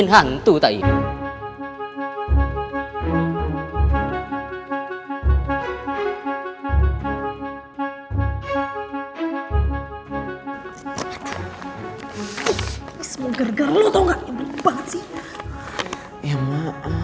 mentry mereka tuh semua